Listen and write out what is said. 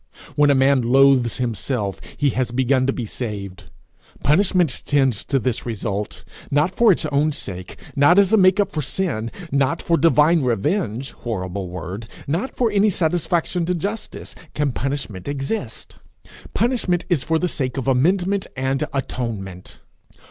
When a man loathes himself, he has begun to be saved. Punishment tends to this result. Not for its own sake, not as a make up for sin, not for divine revenge horrible word, not for any satisfaction to justice, can punishment exist. Punishment is for the sake of amendment and atonement.